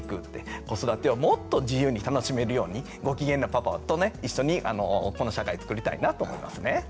子育てをもっと自由に楽しめるようにご機嫌なパパとね一緒にこの社会つくりたいなと思いますね。